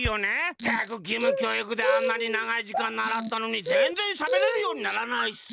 ったくぎむきょういくであんなにながいじかんならったのにぜんぜんしゃべれるようにならないしさ。